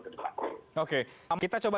kedepan oke kita coba